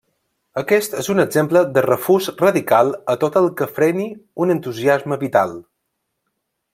Aquest és un exemple de refús radical a tot el que freni un entusiasme vital.